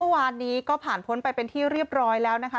เมื่อวานนี้ก็ผ่านพ้นไปเป็นที่เรียบร้อยแล้วนะคะ